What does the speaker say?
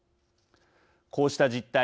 こうした実態